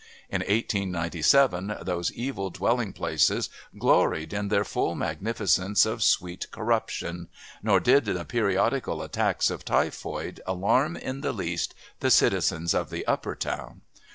In 1897 those evil dwelling places gloried in their full magnificence of sweet corruption, nor did the periodical attacks of typhoid alarm in the least the citizens of the Upper Town.